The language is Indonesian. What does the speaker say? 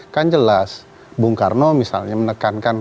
kan jelas bung karno misalnya menekankan